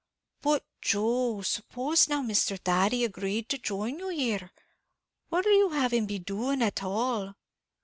"But, Joe, s'pose now Mr. Thady agreed to join you here, what'd you have him be doing at all?"